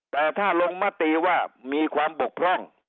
แต่ถ้าลงมติว่ามีความบกพร่อง